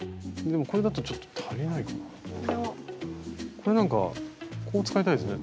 これなんかこう使いたいですね。